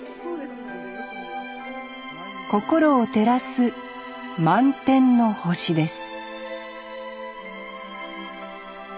心を照らす満点の星です